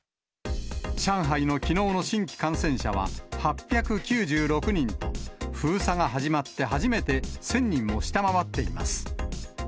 上海のきのうの新規感染者は８９６人と、封鎖が始まって初めて１０００人を下回っています。